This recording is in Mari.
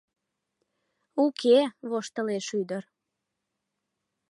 — Уке, — воштылеш ӱдыр.